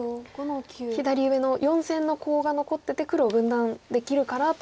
左上の４線のコウが残ってて黒を分断できるからと。